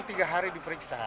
sakit kan tiga hari diperiksa